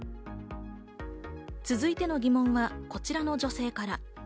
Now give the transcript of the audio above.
続いての疑問はこちらの女性から。